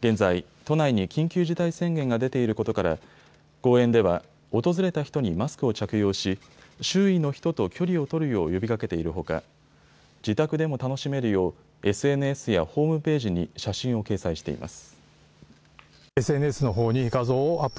現在、都内に緊急事態宣言が出ていることから公園では訪れた人にマスクを着用し、周囲の人と距離を取るよう呼びかけているほか自宅でも楽しめるようＳＮＳやホームページに写真を掲載しています。